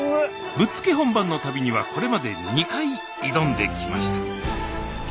ぶっつけ本番の旅にはこれまで２回挑んできました